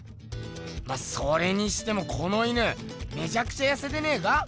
まっそれにしてもこの犬めちゃくちゃやせてねぇか？